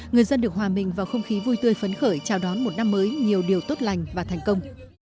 người dân được hòa mình vào không khí vui tươi phấn khởi chào đón một năm mới nhiều điều tốt lành và thành công